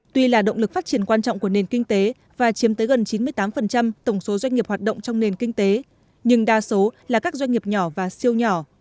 tuy là động lực phát triển quan trọng của nền kinh tế và chiếm tới gần chín mươi tám tổng số doanh nghiệp hoạt động trong nền kinh tế nhưng đa số là các doanh nghiệp nhỏ và siêu nhỏ